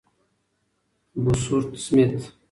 بوسورت سمیت :